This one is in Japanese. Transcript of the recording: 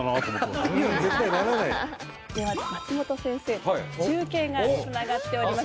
では松本先生と中継がつながっております。